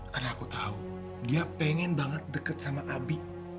karena aku tahu dia pengen banget deket sama abi